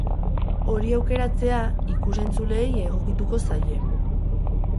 Hori aukeratzea ikus-entzuleei egokituko zaie.